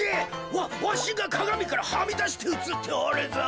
わわしがかがみからはみだしてうつっておるぞ。